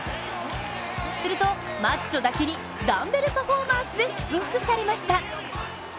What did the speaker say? するとマッチョだけにダンベルパフォーマンスで祝福されました。